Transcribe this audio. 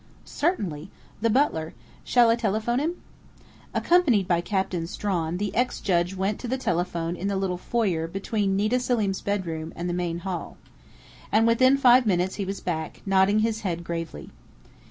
"Certainly. The butler.... Shall I telephone him?" Accompanied by Captain Strawn, the ex judge went to the telephone in the little foyer between Nita Selim's bedroom and the main hall. And within five minutes he was back, nodding his head gravely.